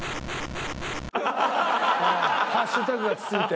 ハッシュタグが付いて。